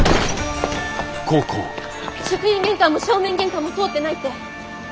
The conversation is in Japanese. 職員玄関も正面玄関も通ってないって。